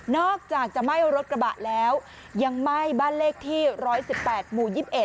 อกจากจะไหม้รถกระบะแล้วยังไหม้บ้านเลขที่๑๑๘หมู่๒๑